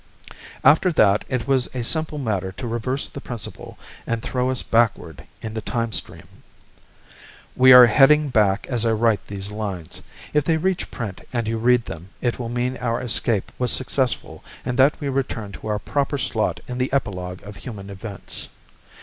After that, it was a simple matter to reverse the principle and throw us backward in the time stream. We are heading back as I write these lines. If they reach print and you read them, it will mean our escape was successful and that we returned to our proper slot in the epilogue of human events.